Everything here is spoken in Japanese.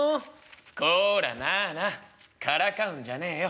「こらナナからかうんじゃねえよ。